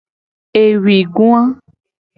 Ewuigoa.